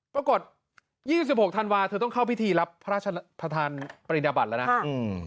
ปรากฏ๒๖ธันวาเธอต้องเข้าพิธีรับพระราชทานปริญญาบัตรแล้วนะอืม